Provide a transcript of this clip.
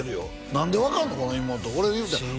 何で分かるのこの妹俺言うたんよ